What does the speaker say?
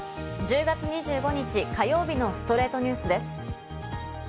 １０月２５日、火曜日の『ストレイトニュース』です。